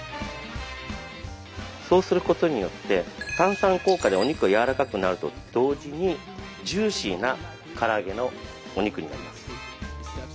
そうすることによって炭酸効果でお肉がやわらかくなると同時にジューシーなから揚げのお肉になります。